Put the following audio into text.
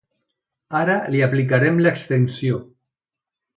Ara li aplicarem l'extensió.